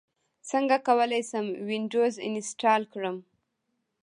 څنګه کولی شم وینډوز انسټال کړم